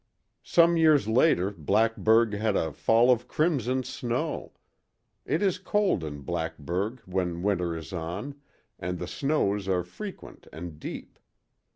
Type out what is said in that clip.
Some years later Blackburg had a fall of crimson snow; it is cold in Blackburg when winter is on, and the snows are frequent and deep.